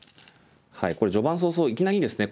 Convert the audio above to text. これ序盤早々いきなりですね